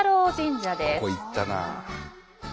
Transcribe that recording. ここ行ったな。